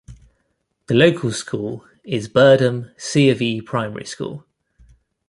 The local school is Birdham C of E Primary School.